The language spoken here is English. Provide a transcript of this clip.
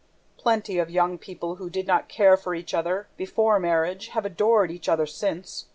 Plenty of young people who did not care for each other before marriage have adored each other since!